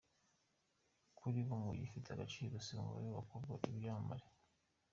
Kuri bo igifite agaciro si umubare w’abakobwa baryamanye.